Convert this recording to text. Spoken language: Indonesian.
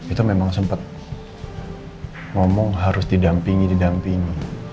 itu memang sempat ngomong harus didampingi didampingi